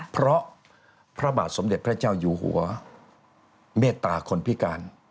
เพราะพระบาทสมเด็จพระเจ้าอยู่หัวเมตตาคนพิการ